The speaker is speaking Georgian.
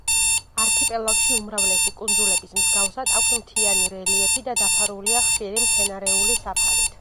არქიპელაგში უმრავლესი კუნძულების მსგავსად აქვს მთიანი რელიეფი და დაფარულია ხშირი მცენარეული საფარით.